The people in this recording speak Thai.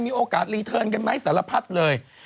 โอกาสรีเทิร์นกันไหมสารพัดเลย